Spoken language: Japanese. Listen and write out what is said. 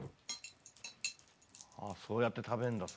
そうやって食べるんだ。